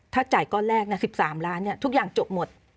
ถ้าจ่ายก้อนแรก๑๓ล้านทุกอย่างจบหมด